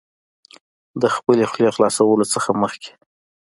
د خپلې خولې خلاصولو څخه مخکې